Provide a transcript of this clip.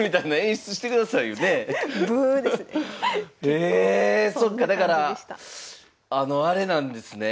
えそっかだからあれなんですね